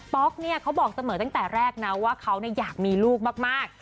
๊อกเนี่ยเขาบอกเสมอตั้งแต่แรกนะว่าเขาอยากมีลูกมาก